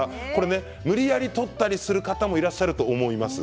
無理やり取ったりする方もいると思います。